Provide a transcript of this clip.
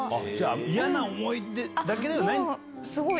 嫌な思い出だけではない？